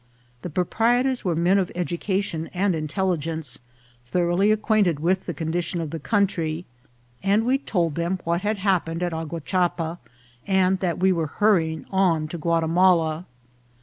The propri etors were men of education and intelligence, thorough ly acquainted with the condition of the country, and we told them what had happened at Aguachapa, and that We were hurrying on to Guatimala.